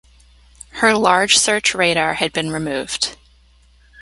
Her large search radar had been removed.